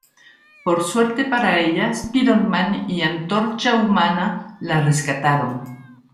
Por suerte para ella, Spider-Man y Antorcha Humana la rescataron.